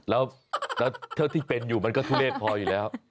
แล้วเท่าที่เป็นอยู่มันก็ทุเลศพออยู่แล้ว